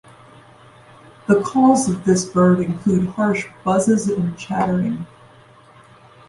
The calls of this bird include harsh buzzes and chattering.